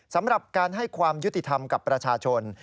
สำหรับการให้ความยุติธรรมกับประชาชน